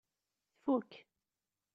Tfuk.